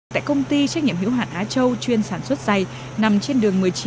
tại công ty trách nhiệm hữu hạn á châu chuyên sản xuất dày nằm trên đường một mươi chín